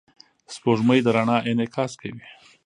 سپوږمۍ د رڼا انعکاس کوي.